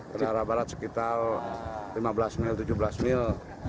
ke arah barat sekitar lima belas mil tujuh belas mil